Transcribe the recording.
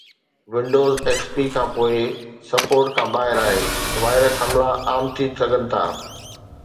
Windows XP کان پوءِ support کان ٻاهر آهي، وائرس حملا عام ٿي سگهن ٿا